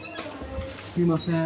すいません。